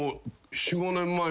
「４５年前」